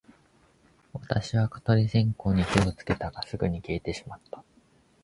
私は蚊取り線香に火をつけたが、すぐに消えてしまった